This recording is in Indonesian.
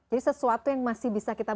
jadi sesuatu yang masih bisa kita